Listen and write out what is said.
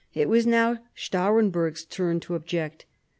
It was now Stahremberg's turn to object.